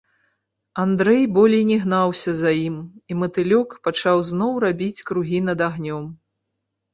Андрэй болей не гнаўся за ім, і матылёк пачаў зноў рабіць кругі над агнём.